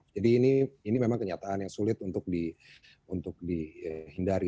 jadi ini memang kenyataan yang sulit untuk dihindari